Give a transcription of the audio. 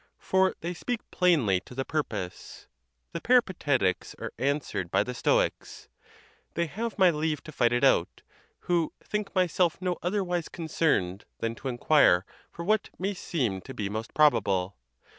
for they speak plainly to the purpose. The Peripategygs are an swered by the Stoics; they have my leave to figtt it out, who think myself no otherwise concerned than to inquire for what may seem to be most probable.